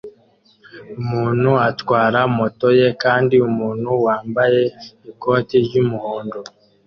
Umuntu atwara moto ye kandi umuntu wambaye ikoti ryumuhondo